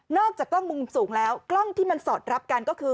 อกจากกล้องมุมสูงแล้วกล้องที่มันสอดรับกันก็คือ